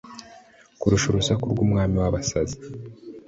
kurusha urusaku rw'umwami w'abasazi